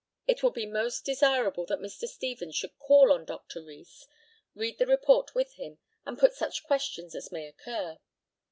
It will be most desirable that Mr. Stevens should call on Dr. Rees, read the report with him, and put such questions as may occur.